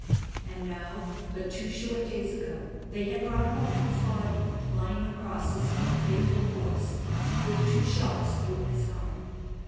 And now, but two short days ago, they had brought home his body lying across his own faithful horse, with two shots through his heart.